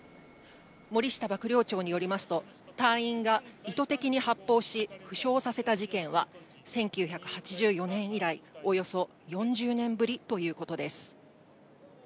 森下幕僚長によりますと、隊員が意図的に発砲し、負傷させた事件は、１９８４年以来、およそ４０年ぶりということです。